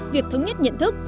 việc thống nhất nhận thức